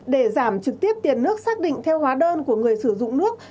để giảm trực tiếp tiền nước xác định theo hóa đơn của người sử dụng nước